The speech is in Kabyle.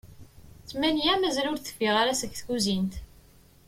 D tmanya mazal ur d-teffiɣ ara seg tkuzint.